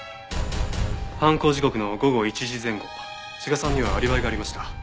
犯行時刻の午後１時前後志賀さんにはアリバイがありました。